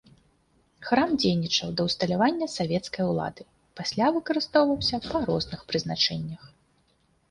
Храм дзейнічаў да ўсталявання савецкай улады, пасля выкарыстоўваўся па розных прызначэннях.